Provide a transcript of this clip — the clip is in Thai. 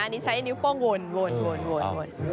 อันนี้ใช้นิ้วป้องวนวนวนวน